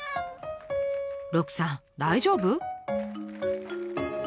鹿さん大丈夫？